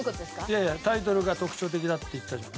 いやいやタイトルが特徴的だって言ったじゃん。